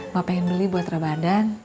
mama pengen beli buat rabadan